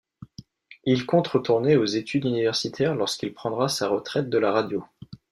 Il compte retourner aux études universitaires lorsqu'il prendra sa retraite de la radio.